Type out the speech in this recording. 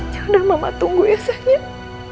ya udah mama tunggu ya sayang